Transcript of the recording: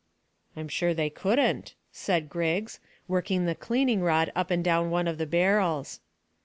"I'm sure they couldn't," said Griggs, working the cleaning rod up and down one of the barrels.